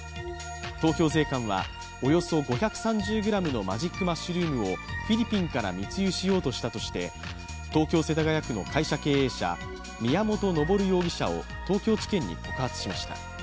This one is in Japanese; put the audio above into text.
東京税関は、およそ５３０ｇのマジックマッシュルームをフィリピンから密輸しようとしたとして東京・世田谷区の会社経営者宮本昇容疑者を東京地検に告発しました。